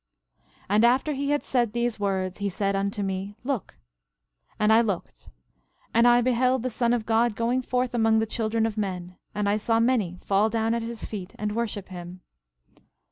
11:24 And after he had said these words, he said unto me: Look! And I looked, and I beheld the Son of God going forth among the children of men; and I saw many fall down at his feet and worship him.